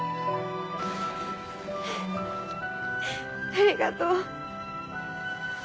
ありがとう。